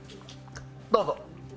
どうぞ。